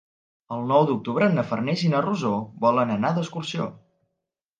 El nou d'octubre na Farners i na Rosó volen anar d'excursió.